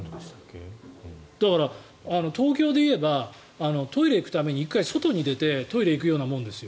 だから東京で言えばトイレに行くために１回外に出てトイレに行くようなもんですよ。